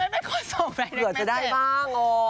เผลอจะได้บ้างอ๋อ